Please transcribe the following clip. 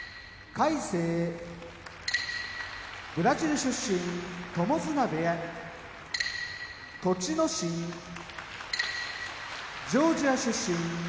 魁聖ブラジル出身友綱部屋栃ノ心ジョージア出身春日野部屋